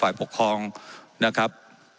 ว่าการกระทรวงบาทไทยนะครับ